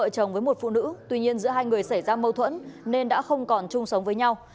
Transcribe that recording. vợ chồng với một phụ nữ tuy nhiên giữa hai người xảy ra mâu thuẫn nên đã không còn chung sống với nhau